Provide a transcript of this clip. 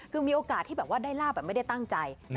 คือมีโอกาสที่แบบว่าได้ลาบแบบไม่ได้ตั้งใจ